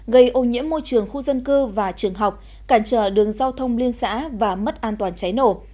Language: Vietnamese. gây ô nhiễm môi trường khu dân cư và trường học cản trở đường giao thông liên xã và mất an toàn cháy nổ